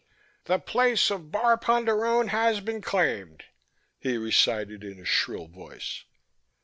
"The place of Bar Ponderone has been claimed!" he recited in a shrill voice.